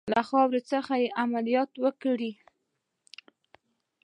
له خاورې څخه عملیات وکړي.